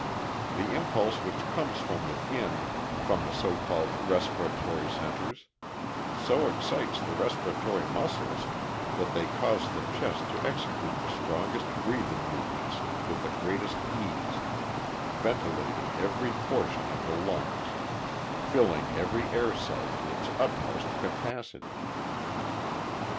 The impulse which comes from within, from the so called respiratory centers, so excites the respiratory muscles that they cause the chest to execute the strongest breathing movements with the greatest ease, ventilating every portion of the lungs, filling every air cell to its utmost capacity.